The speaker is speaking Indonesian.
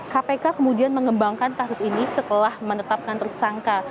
kpk kemudian mengembangkan kasus ini setelah menetapkan tersangka